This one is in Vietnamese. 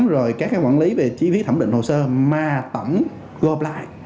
rồi các quản lý về chi phí thẩm định hồ sơ mà tẩm gồm lại